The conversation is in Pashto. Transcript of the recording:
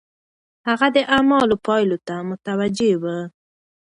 هغه د اعمالو پايلو ته متوجه و.